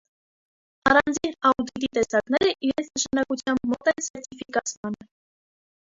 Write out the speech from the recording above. Առանձին աուդիտի տեսակները իրենց նշանակությամբ մոտ են սերտիֆիկացմանը։